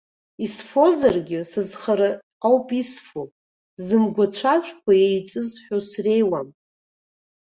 Исфозаргьы, сызхара ауп исфо, зымгәацәажәқәа еиҵызҳәо среиуам!